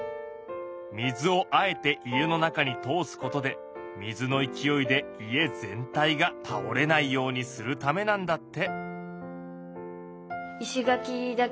水をあえて家の中に通すことで水の勢いで家全体がたおれないようにするためなんだって。